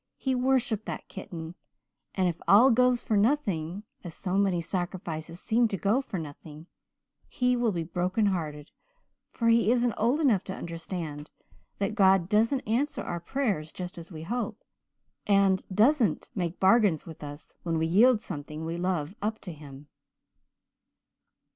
He worshipped that kitten. And if it all goes for nothing as so many sacrifices seem to go for nothing he will be brokenhearted, for he isn't old enough to understand that God doesn't answer our prayers just as we hope and doesn't make bargains with us when we yield something we love up to Him."